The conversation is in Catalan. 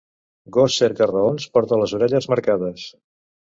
Gos cerca-raons porta les orelles marcades.